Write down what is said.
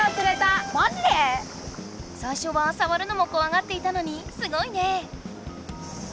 さいしょはさわるのもこわがっていたのにすごいね。